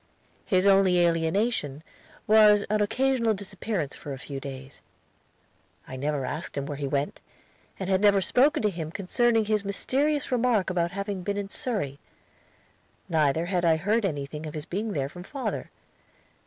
His only alienation was an occasional disappearance for a few days. I never asked him where he went, and had never spoken to him concerning his mysterious remark about having been in Surrey. Neither had I heard anything of his being there from father.